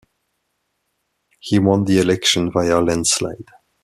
He won the election via landslide.